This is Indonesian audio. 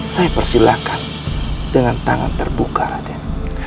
saya persilahkan dengan tangan terbuka raden